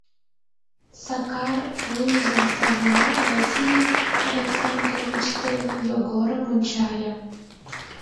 Сакар, вуйжым савырал, Василий Александрович ден Йогорым ончале.